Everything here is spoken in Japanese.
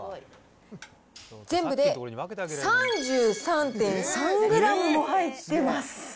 全部で３３．３グラムも入ってます！